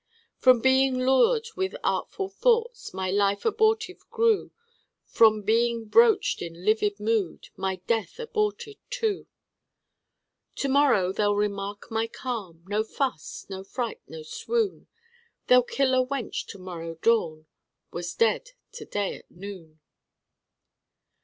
_ From being lured with artful thoughts My life abortive grew. From being broached in livid mood My death aborted too. To morrow they'll remark my calm No fuss, no fright, no swoon. They'll kill a wench to morrow dawn _Was dead to day at noon.